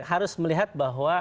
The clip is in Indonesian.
harus melihat bahwa